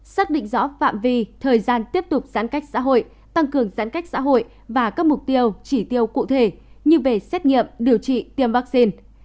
xác định rõ phạm vi thời gian tiếp tục giãn cách xã hội tăng cường giãn cách xã hội và các mục tiêu chỉ tiêu cụ thể như về xét nghiệm điều trị tiêm vaccine